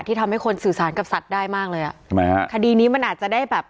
ทำให้คนสื่อสารกับสัตว์ได้มากเลยอ่ะทำไมฮะคดีนี้มันอาจจะได้แบบ